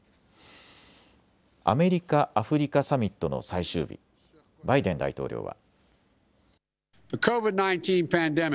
アメリカ・アフリカサミットの最終日、バイデン大統領は。